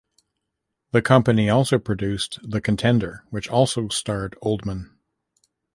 The company also produced "The Contender", which also starred Oldman.